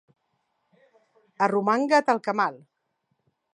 Arromanga't el camal!